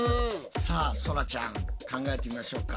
さあそらちゃん考えてみましょうか。